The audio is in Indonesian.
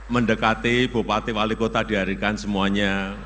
mendekati bupati wali kota di harikan semuanya